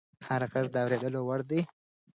هر غږ د اورېدو وړ دی